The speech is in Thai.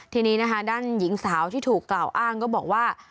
ทีนี้นะคะด้านหญิงสาวที่ถูกกล่าวอ้างก็บอกว่า